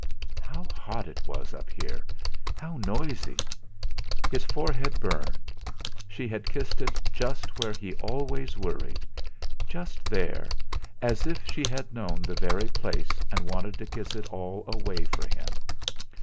How hot it was up here! how noisy! His forehead burned; she had kissed it just where he always worried; just there as if she had known the very place and wanted to kiss it all away for him.